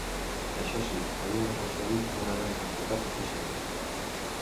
Això sí, havien aconseguit una gran quantitat de coixins.